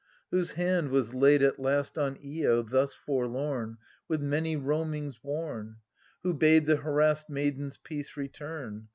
? Whose hand was laid at last on lo, thus forlorn, ^XA \ With many roamings worn ? I^Wh'o bade the harassed maiden's peace return